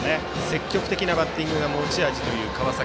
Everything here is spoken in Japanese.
積極的なバッティングが持ち味という川崎。